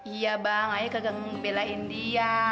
iya bang ayo kegeng belain dia